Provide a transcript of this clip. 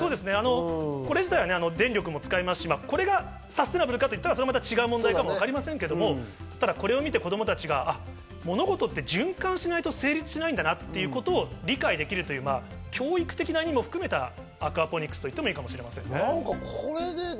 これ自体は電力も使いますし、これがサステナブルかといったら違う問題もあるかもしれませんが、これを見て子供たちが物事って循環しないと成立しないんだなってことを理解できる、教育的な意味も含めたアクアポニックスといってもいいかもしれません。